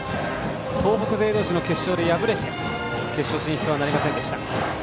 東北勢同士の試合で敗れて決勝進出はなりませんでした。